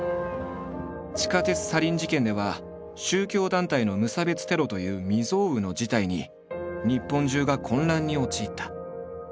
地下鉄サリン事件では宗教団体の無差別テロという未曽有の事態に日本中が混乱に陥った。